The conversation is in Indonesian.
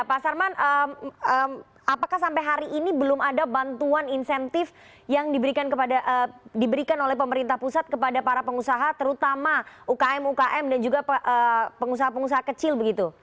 pak sarman apakah sampai hari ini belum ada bantuan insentif yang diberikan oleh pemerintah pusat kepada para pengusaha terutama ukm ukm dan juga pengusaha pengusaha kecil begitu